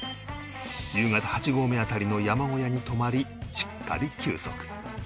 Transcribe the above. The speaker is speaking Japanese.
夕方８合目辺りの山小屋に泊まりしっかり休息